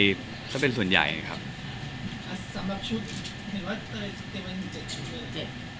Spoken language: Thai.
สำหรับชุดเห็นว่าเตรียมวันนี้๗ชุดหรือ๗